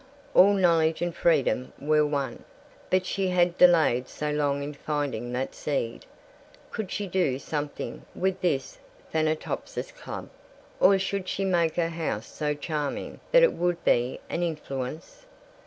All knowledge and freedom were one. But she had delayed so long in finding that seed. Could she do something with this Thanatopsis Club? Or should she make her house so charming that it would be an influence?